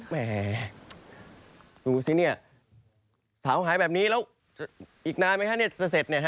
แหมดูสิเนี่ยสาวหายแบบนี้แล้วอีกนานไหมคะเนี่ยจะเสร็จเนี่ยฮ